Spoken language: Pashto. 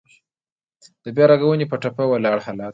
د بيا رغونې په ټپه ولاړ حالات.